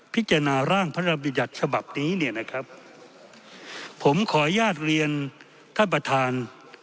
พิจารณาร่างพระราชบัญญัติฉบับนี้เนี่ยนะครับผมขออนุญาตเรียนท่านประธาน